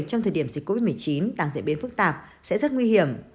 trong thời điểm dịch covid một mươi chín đang diễn biến phức tạp sẽ rất nguy hiểm